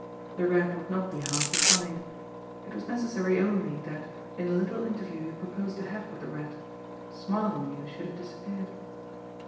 The Rat would not be hard to find. It was necessary only that, in the little interview he proposed to have with the Rat, "Smarlinghue" should have disappeared!